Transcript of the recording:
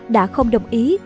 đã không đồng ý